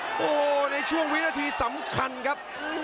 โอ้โหในช่วงวินาทีสำคัญครับ